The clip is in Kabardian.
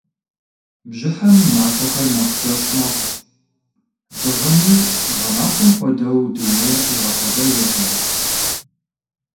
Бжьыхьэм махуэхэр нэхъ кӀэщӀ мэхъу, дыгъэми, гъэмахуэм хуэдэу, дунейр къигъэхуэбэжыркъым.